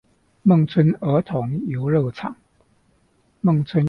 孟春兒童遊樂場